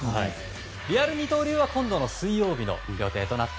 リアル二刀流は今度の水曜日の予定です。